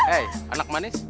eh anak manis